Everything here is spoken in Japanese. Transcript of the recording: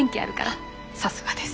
さすがです。